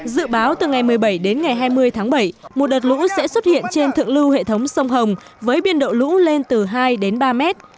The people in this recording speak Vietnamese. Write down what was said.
dự báo từ ngày một mươi bảy đến ngày hai mươi tháng bảy một đợt lũ sẽ xuất hiện trên thượng lưu hệ thống sông hồng với biên độ lũ lên từ hai đến ba mét